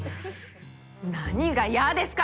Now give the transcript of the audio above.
何が「やあ」ですか！